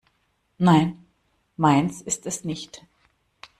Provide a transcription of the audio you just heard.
Nein, meins ist es nicht.